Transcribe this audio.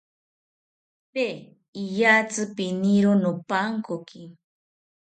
Tee iyatzi piniro nopankoki